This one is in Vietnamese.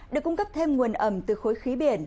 được cung cấp thêm nguồn ẩm từ khối khí biển